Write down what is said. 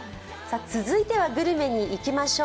続いてはグルメにいきましょう。